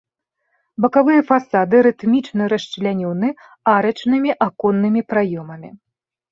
Бакавыя фасады рытмічна расчлянёны арачнымі аконнымі праёмамі.